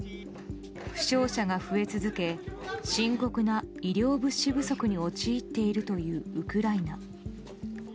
負傷者が増え続け深刻な医療物資不足に陥っているというウクライナ。